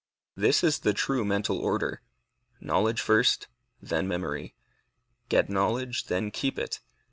This is the true mental order. Knowledge first, then memory. Get knowledge, then keep it.